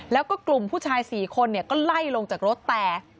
แล้วก็กลุ่มผู้ชาย๔คนก็ไล่ลงจากรถแต่